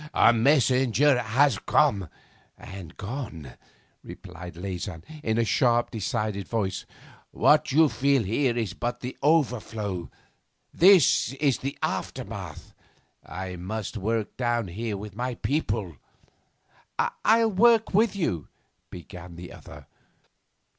'A messenger has come and gone,' replied Leysin in a sharp, decided voice. 'What you feel here is but the overflow. This is the aftermath. I must work down here with my people ' 'I'll work with you,' began the other.